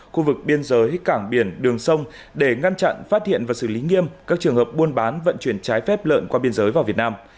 khu vực biên giới cảng biển đường sông để ngăn chặn phát hiện và xử lý nghiêm các trường hợp buôn bán vận chuyển trái phép lợn qua biên giới vào việt nam